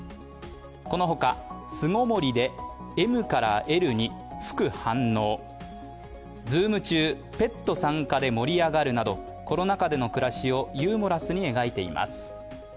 このほか、「巣ごもりでＭからＬに服反応」、「ズーム中ペット参加で盛り上がる」などコロナ禍での暮らしをユーモラスに描いています。